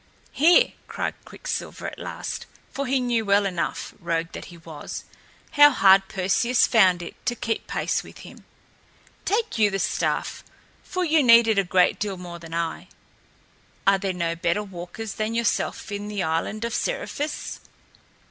"Here!" cried Quicksilver at last for he knew well enough, rogue that he was, how hard Perseus found it to keep pace with him "take you the staff, for you need it a great deal more than I. Are there no better walkers than yourself in the island of Seriphus?"